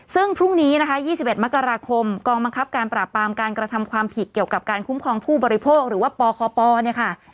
ซึ่งพรุ่งนี้นะคะ๒๑มกราคมกองบังคับการปราบปรามการกระทำความผิดเกี่ยวกับการคุ้มครองผู้บริโภคหรือว่าปคปเนี่ยค่ะ